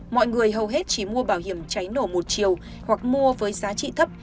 mọi người hầu hết chỉ mua bảo hiểm cháy nổ một chiều hoặc mua với giá trị thấp